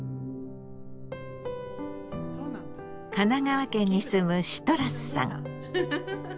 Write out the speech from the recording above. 神奈川県に住むシトラスさん。